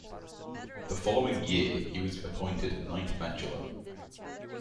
The following year he was appointed Knight Bachelor.